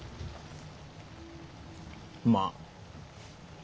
まあ。